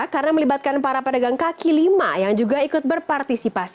karena melibatkan para pedagang kaki lima yang juga ikut berpartisipasi